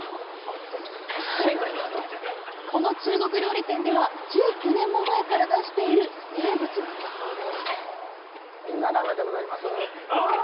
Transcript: この中国料理店では１９年も前から出している名物なんだそうですわぁ！